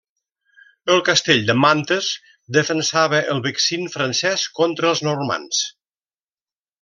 El castell de Mantes defensava el Vexin francès contra els normands.